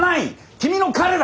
君の彼だ！